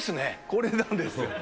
これなんです。